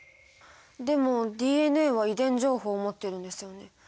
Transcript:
でもＤＮＡは遺伝情報を持ってるんですよね。